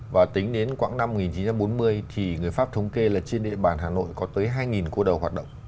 và tính đến khoảng năm một nghìn chín trăm bốn mươi thì người pháp thống kê là trên địa bàn hà nội có tới hai cô đầu hoạt động